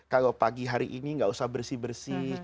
kalau pagi hari ini nggak usah bersih bersih